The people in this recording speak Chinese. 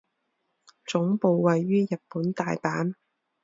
总部位于日本大阪。